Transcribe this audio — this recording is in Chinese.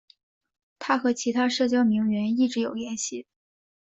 她和其他社交名媛一直有联系。